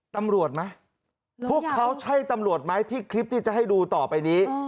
ตำรวจไหมพวกเขาใช่ตำรวจไหมที่คลิปที่จะให้ดูต่อไปนี้